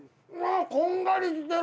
こんがりしてる！